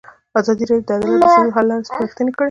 ازادي راډیو د عدالت د ستونزو حل لارې سپارښتنې کړي.